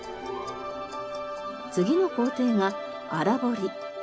次の工程が荒彫り。